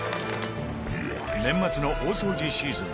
年末の大掃除シーズン